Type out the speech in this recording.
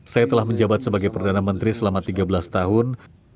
saya telah menjabat sebagai perdana menteri selama tiga belas tahun